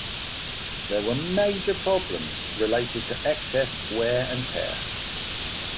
There were major problems related to excessive "wear and tear".